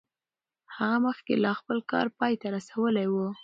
هغه مخکې لا خپل کار پای ته رسولی و.